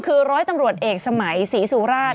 คือร้อยตำรวจเอกสมัยศรีสุราช